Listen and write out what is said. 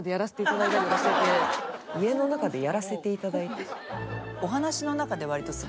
「家の中でやらせて頂いて」？